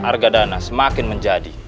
argadana semakin menjadi